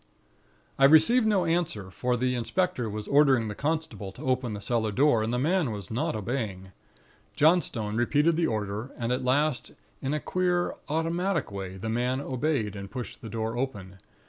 "I received no answer; for the inspector was ordering the constable to open the cellar door, and the man was not obeying. Johnstone repeated the order, and at last, in a queer automatic way, the man obeyed, and pushed the door open.